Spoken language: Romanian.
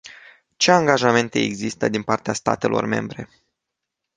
Ce angajamente există din partea statelor membre?